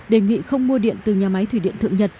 đề nghị không mua điện từ nhà máy thủy điện thượng nhật